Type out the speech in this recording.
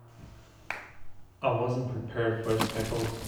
I wasn't prepared for his pickles.